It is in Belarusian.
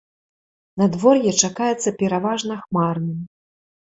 Надвор'е чакаецца пераважна хмарным.